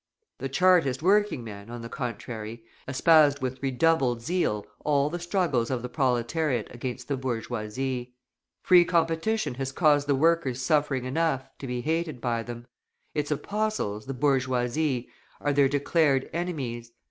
The Chartist working men, on the contrary, espoused with redoubled zeal all the struggles of the proletariat against the bourgeoisie. Free competition has caused the workers suffering enough to be hated by them; its apostles, the bourgeoisie, are their declared enemies.